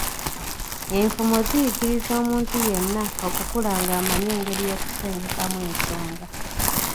Enfumo ziyigiriza omuntu yenna okukula ng’amanyi engeri y’okusengekemu ensonga.